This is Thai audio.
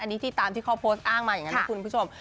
อันนี้ที่ตามที่เขาโพสต์อ้างมาอย่างนั้นนะคุณผู้ชม